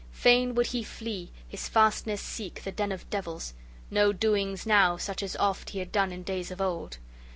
Fain would he flee, his fastness seek, the den of devils: no doings now such as oft he had done in days of old!